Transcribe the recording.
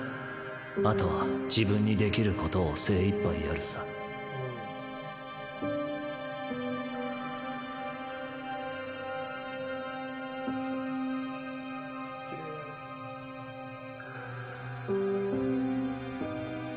あとは自分にできることを精いっぱいやるさきれいやな。